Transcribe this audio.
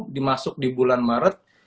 dimasuk di bulan maret